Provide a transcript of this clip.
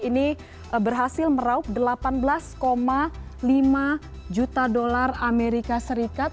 ini berhasil meraup delapan belas lima juta dolar amerika serikat